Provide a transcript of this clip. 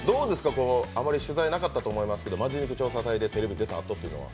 あまり取材なかったと思いますけど「本気肉調査隊」でテレビに出たあとっていうのは。